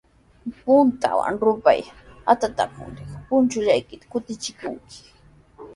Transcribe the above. Puntraw rupay atratraamuptin, punchullaykita kutichikunki.